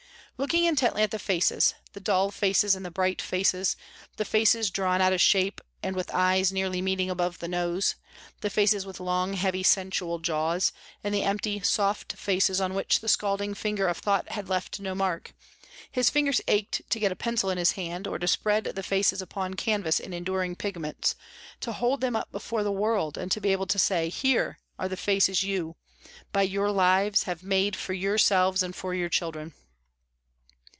Looking intently at the faces, the dull faces and the bright faces, the faces drawn out of shape and with eyes nearly meeting above the nose, the faces with long, heavy sensual jaws, and the empty, soft faces on which the scalding finger of thought had left no mark, his fingers ached to get a pencil in his hand, or to spread the faces upon canvas in enduring pigments, to hold them up before the world and to be able to say, "Here are the faces you, by your lives, have made for yourselves and for your children."